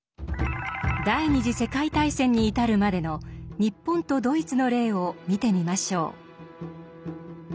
第二次世界大戦に至るまでの日本とドイツの例を見てみましょう。